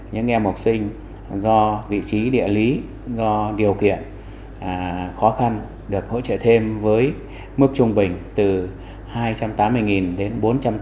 những em học sinh do vị trí địa lý do điều kiện khó khăn được hỗ trợ thêm với mức trung bình từ hai trăm tám mươi đến bốn trăm tám mươi